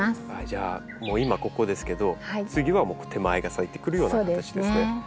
じゃあ今ここですけど次は手前が咲いてくるような形ですね。